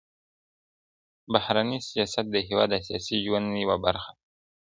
بهرنی سیاست د هیواد د سیاسي ژوند یوه برخه ده.